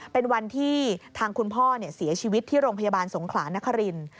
เป็นวันที่ทางคุณพ่อเสียชีวิตที่โรงพยาบาลสงขลานครินทร์